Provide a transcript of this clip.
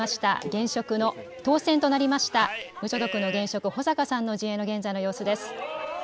現職の当選となりました無所属の現職、保坂さんの陣営の現在の様子です。